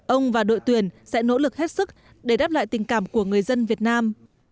ông và đội tuyển sẽ nỗ lực hết sức để đáp lại tình cảm của người dân việt nam